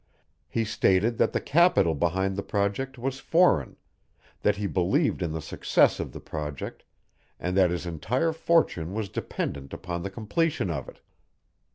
He stated that the capital behind the project was foreign, that he believed in the success of the project and that his entire fortune was dependent upon the completion of it.